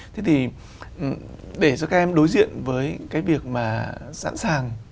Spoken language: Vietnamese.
thế thì để cho các em đối diện với cái việc mà sẵn sàng